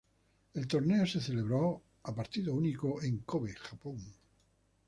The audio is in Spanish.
El torneo se celebró a partido único en Kōbe, Japón.